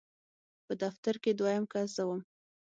په دفتر کې دویم کس زه وم.